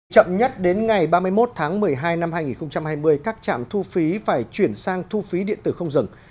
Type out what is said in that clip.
chậm nhất đến ngày ba mươi một tháng một mươi hai năm hai nghìn hai mươi các trạm thu phí phải chuyển sang thu phí điện tử không dừng